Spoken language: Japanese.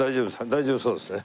大丈夫そうですね。